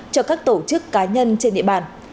cho các tổ chức cá nhân trên địa bàn